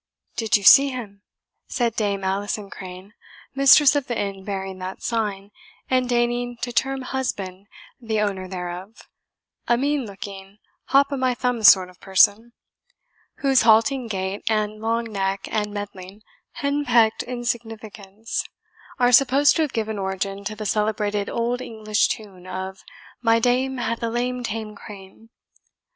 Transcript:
"Did you see him?" said Dame Alison Crane, mistress of the inn bearing that sign, and deigning to term HUSBAND the owner thereof, a mean looking hop o' my thumb sort or person, whose halting gait, and long neck, and meddling, henpecked insignificance are supposed to have given origin to the celebrated old English tune of "My name hath a lame tame Crane."